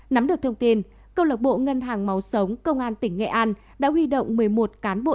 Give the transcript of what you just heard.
nắm được thông tin câu lạc bộ ngân hàng máu sống công an tỉnh nghệ an đã huy động một mươi một cán bộ